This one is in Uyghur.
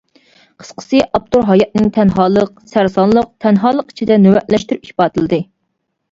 قىسقىسى ئاپتور ھاياتنى تەنھالىق-سەرسانلىق-تەنھالىق ئىچىدە نۆۋەتلەشتۈرۈپ ئىپادىلىدى.